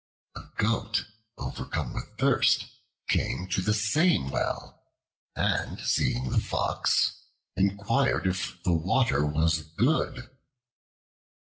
A Goat, overcome with thirst, came to the same well, and seeing the Fox, inquired if the water was good.